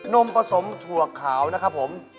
นมผสมทวนขาวนะครับผม